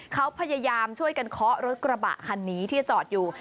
เขาพยายามช่วยกันเคาะรถกระบะคันนี้ที่จอดอยู่